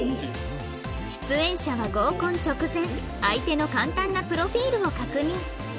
出演者は合コン直前相手の簡単なプロフィールを確認